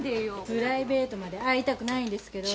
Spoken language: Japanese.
プライベートまで会いたくないんですけど。